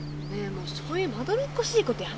もうそういうまどろっこしいことやめたら？